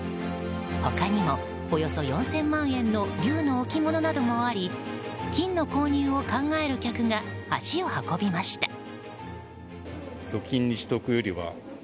他にもおよそ４０００万円の龍の置物などもあり金の購入を考える客が足を運びました。